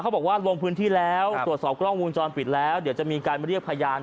บอกว่าลงพื้นที่แล้วตรวจสอบกล้องวงจรปิดแล้วเดี๋ยวจะมีการเรียกพยาน